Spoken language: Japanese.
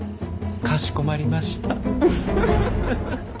かしこまりました。